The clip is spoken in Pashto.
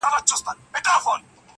چي په فکر کي دي نه راځي پېښېږي!